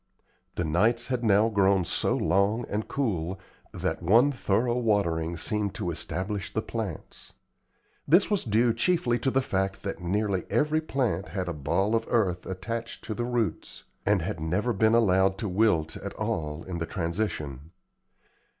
The nights had now grown so long and cool that one thorough watering seemed to establish the plants. This was due chiefly to the fact that nearly every plant had a ball of earth attached to the roots, and had never been allowed to wilt at all in the transition.